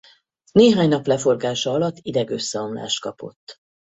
Néhány nap leforgása alatt idegösszeomlást kapott.